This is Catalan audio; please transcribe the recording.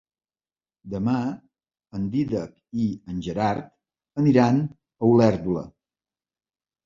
Demà en Dídac i en Gerard aniran a Olèrdola.